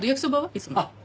いつもの。